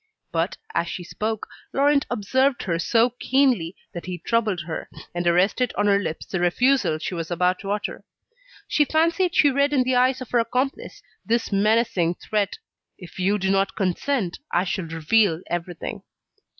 But, as she spoke, Laurent observed her so keenly, that he troubled her, and arrested on her lips the refusal she was about to utter. She fancied she read in the eyes of her accomplice, this menacing threat: "If you do not consent, I shall reveal everything."